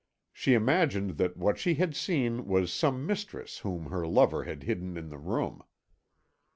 She imagined that what she had seen was some mistress whom her lover had hidden in the room.